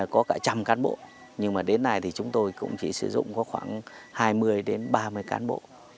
có cả trăm cán bộ nhưng mà đến nay thì chúng tôi cũng chỉ sử dụng có khoảng hai mươi đến ba mươi cán bộ